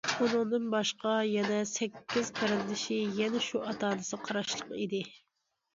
ئۇنىڭدىن باشقا يەنە سەككىز قېرىندىشى يەنە شۇ ئاتا- ئانىسىغا قاراشلىق ئىدى.